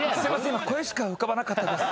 今これしか浮かばなかったです。